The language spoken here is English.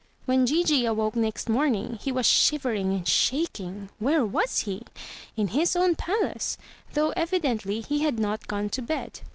When Gigi awoke next morning he was shivering and shaking. Where was he? In his own palace, though evidently he had not gone to bed.